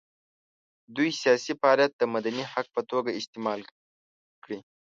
دوی سیاسي فعالیت د مدني حق په توګه استعمال کړي.